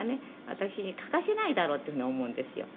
私に書かせないだろうっていう風に思うんですよ」